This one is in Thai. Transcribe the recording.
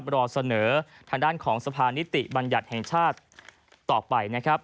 รอเสนอทางด้านของสภานิติบัญญัติแห่งชาติต่อไปนะครับ